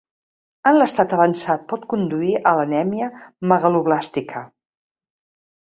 En l'estat avançat pot conduir a l'anèmia megaloblàstica.